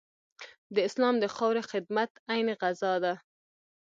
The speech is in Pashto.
د اسلام د خاورې خدمت عین غزا ده.